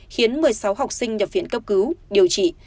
khiến một mươi sáu học sinh nhập viện cấp cứu điều trị